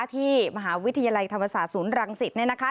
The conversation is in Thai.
ที่มหาวิทยาลัยธรรมศาสตร์ศูนย์รังสิตเนี่ยนะคะ